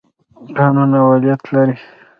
قانون اولیت لري.